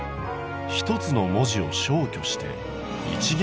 「ひとつの文字を消去して一元